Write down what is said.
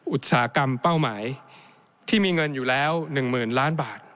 อุตสาหกรรมเป้าหมายที่มีเงินอยู่แล้ว๑๐๐๐ล้านบาท